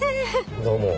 どうも。